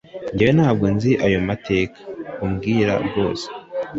Jyewe ntabwo nzi ayo matika umbwira rwose